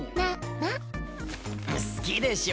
好きでしょ？